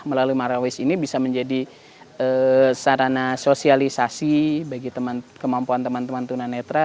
melalui marawis ini bisa menjadi sarana sosialisasi bagi kemampuan teman teman tunanetra